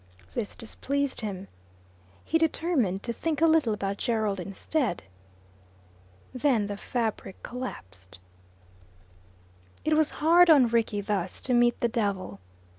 This displeased him. He determined to think a little about Gerald instead. Then the fabric collapsed. It was hard on Rickie thus to meet the devil.